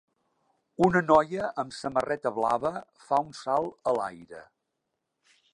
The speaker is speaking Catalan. Una noia amb samarreta blava fa un salt a l'aire.